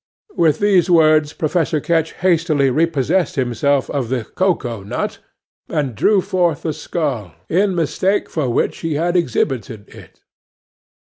'With these words, Professor Ketch hastily repossessed himself of the cocoa nut, and drew forth the skull, in mistake for which he had exhibited it.